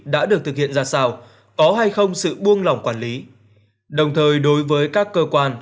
đã được thực hiện ra sao có hay không sự buông lỏng quản lý đồng thời đối với các cơ quan